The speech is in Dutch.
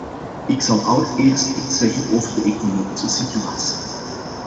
Ik zal allereerst iets zeggen over de economische situatie.